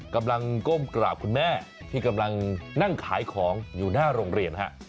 ก้มกราบคุณแม่ที่กำลังนั่งขายของอยู่หน้าโรงเรียนฮะ